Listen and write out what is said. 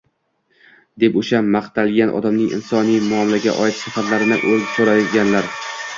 deb o‘sha maqtalgan odamning insoniy muomilaga oid sifatlarini so‘raganlar.